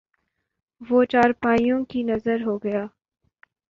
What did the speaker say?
وہ چارپائیوں کی نذر ہو گیا